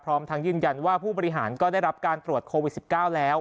พร้อมทั้งยืนยันว่าผู้บริหารก็ได้รับการตรวจโควิด๑๙แล้ว